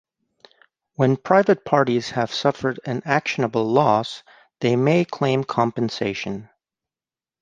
When private parties have suffered an actionable loss, they may claim compensation.